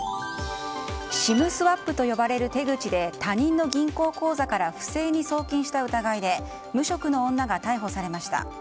ＳＩＭスワップと呼ばれる手口で他人の銀行口座から不正に送金した疑いで無職の女が逮捕されました。